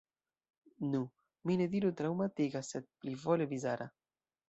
Nu, mi ne diru traŭmatiga, sed plivole bizara.